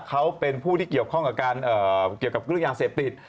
เขาเป็นผู้ที่เกี่ยวข้องกับการเกี่ยวกับเรื่องยาเสพติด